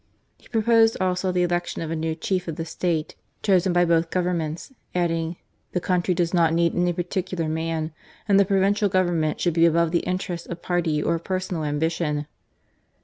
He pro posed also the election of a new Chief of the State THE TAKING OF GUAYAQUIL. 93 chosen by both Governments, adding: "The country does not need any particular man ; and the Provi sional Government should be above the interests of party or of personal ambition."